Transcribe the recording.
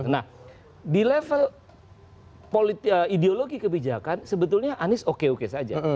nah di level ideologi kebijakan sebetulnya anies oke oke saja